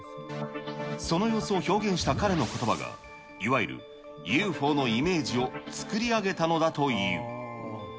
その様子を表現した彼のことばが、いわゆる、ＵＦＯのイメージを作り上げたのだという。